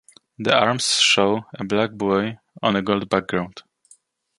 The arms show a black buoy on a gold background.